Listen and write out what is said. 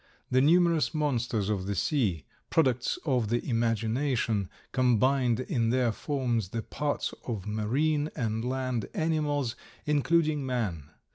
The numerous monsters of the sea, products of the imagination, combined in their forms the parts of marine and land animals, including man.